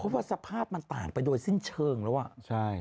เพราะว่าสภาพมันต่างไปโดยสิ้นเชิงแล้วอ่ะใช่